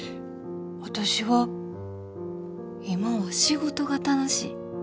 私は今は仕事が楽しい。